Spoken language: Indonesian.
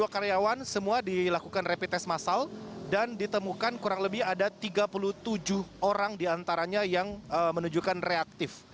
dua puluh karyawan semua dilakukan rapid test massal dan ditemukan kurang lebih ada tiga puluh tujuh orang diantaranya yang menunjukkan reaktif